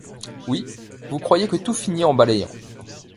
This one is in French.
Oui, vous croyez que tout finit en balayant